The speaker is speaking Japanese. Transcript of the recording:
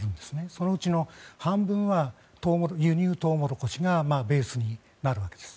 そのうちの半分は輸入トウモロコシがベースになるんです。